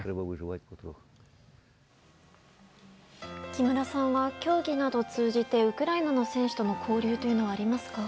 木村さんは競技などを通じてウクライナの選手との交流というのはありますか？